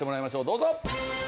どうぞ。